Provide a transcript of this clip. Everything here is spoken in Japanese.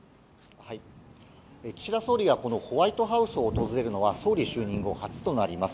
岸田総理がこのホワイトハウスを訪れるのは総理就任後、初となります。